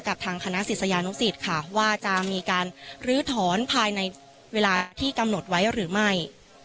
ทางคณะศิษยานุสิตค่ะว่าจะมีการลื้อถอนภายในเวลาที่กำหนดไว้หรือไม่